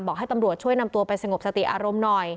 ให้ตำรวจช่วยนำตัวไปสงบสติอารมณ์หน่อย